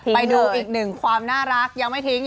ไปดูอีกหนึ่งความน่ารักยังไม่ทิ้ง